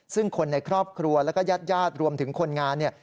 ซึ่งคนในครอบครัวแล้วก็ญาติญาติรวมถึงคนงานเนี่ย